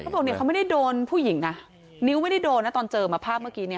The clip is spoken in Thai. บอกเนี่ยเขาไม่ได้โดนผู้หญิงนะนิ้วไม่ได้โดนนะตอนเจอมาภาพเมื่อกี้เนี่ย